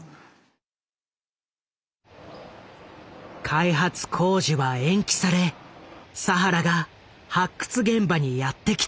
開発工事は延期され佐原が発掘現場にやって来た。